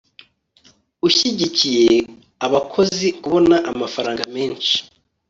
ushyigikiye abakozi kubona amafaranga menshi